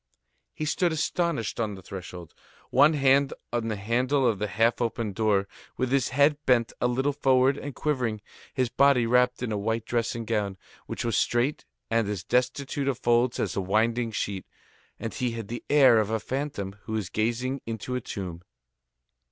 He stood astonished on the threshold, one hand on the handle of the half open door, with his head bent a little forward and quivering, his body wrapped in a white dressing gown, which was straight and as destitute of folds as a winding sheet; and he had the air of a phantom who is gazing into a tomb.